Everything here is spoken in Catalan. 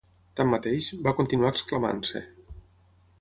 Tanmateix, va continuar exclamant-se.